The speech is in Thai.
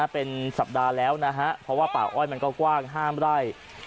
เป็นสัปดาห์แล้วนะฮะเพราะว่าป่าอ้อยมันก็กว้าง๕ไร่